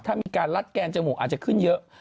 ถ้ามีการลัดแกนจมูกอาจจะขึ้นเยอะ